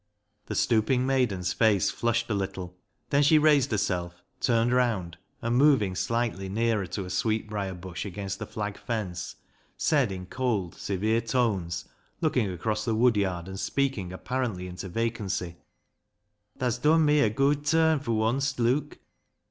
The stooping maiden's face flushed a little. Then she raised herself, turned round, and, moving slightly nearer to a sweetbriar bush against the flag fence, said, in cold, severe tones, looking across the woodyard, and speak ing apparently into vacancy —" Tha's dun me a gooid turn fur wunce, Luke."